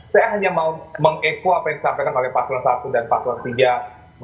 saya hanya mau meng equa apa yang disampaikan oleh pak sulawesi i dan pak sulawesi iii